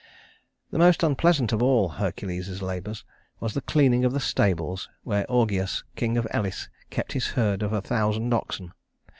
The most unpleasant of all Hercules's labors was the cleaning of the stables where Augeas, king of Elis, kept his herd of a thousand oxen.